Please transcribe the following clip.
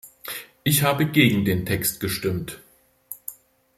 Ich habe gegen den Text gestimmt.